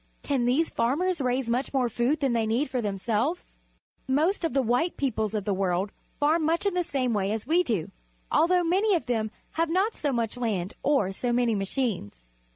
Can these farmers raise much more food than they need for themselves? Most of the white peoples of the world farm much in the same way as we do, although manv of them have not so much Cutting and Stocking Wheat, Manitoba land or so many machines.